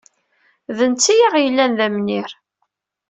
D netta ay aɣ-yellan d amnir.